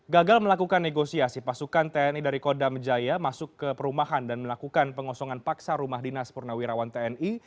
gagal melakukan negosiasi pasukan tni dari kodam jaya masuk ke perumahan dan melakukan pengosongan paksa rumah dinas purnawirawan tni